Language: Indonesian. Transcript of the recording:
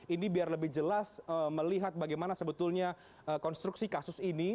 ini biar lebih jelas melihat bagaimana sebetulnya konstruksi kasus ini